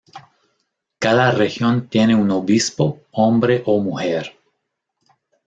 Cada región tiene un obispo hombre o mujer.